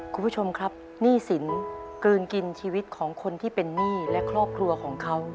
คุณผู้ชมครับหนี้สินเกินกินชีวิตของคนที่เป็นหนี้และครอบครัวของเขา